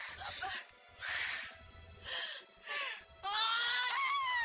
hanya itu tidak kondisi itu yang pernah kita lakukan